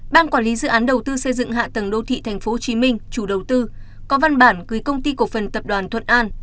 ban quản lý dự án đầu tư xây dựng hạ tầng đô thị tp hcm chủ đầu tư có văn bản gửi công ty cổ phần tập đoàn thuận an